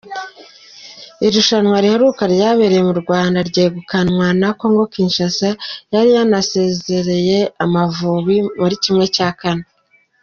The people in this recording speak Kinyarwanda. Irushanwa riheruka ryabereye mu Rwanda ryegukanwa na Congo Kinshasa yari yanasezereye Amavubi muri ¼.